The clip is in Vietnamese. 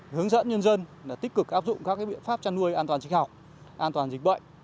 hướng dẫn nhân dân tích cực áp dụng các biện pháp chăn nuôi an toàn sinh học an toàn dịch bệnh